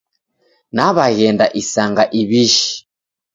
Naw'aghenda isanga iw'ishi